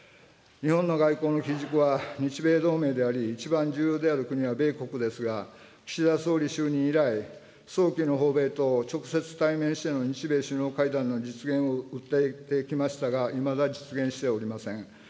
日本の外交の基軸は、日米同盟であり、一番重要である国は米国ですが、岸田総理就任以来、早期の訪米と、直接対面しての日米首脳会談の実現を訴えてきましたが、いまだ実現しておりません。